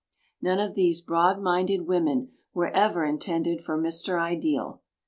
None of these "broad minded women" were ever intended for Mr. Ideal.